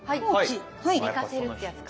寝かせるってやつか。